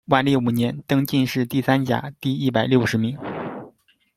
万历五年，登进士第三甲第一百六十名。